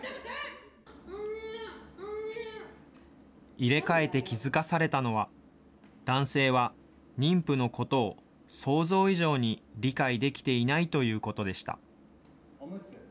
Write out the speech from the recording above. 入れ替えて気付かされたのが、男性は妊婦のことを想像以上に理解できていないということでした。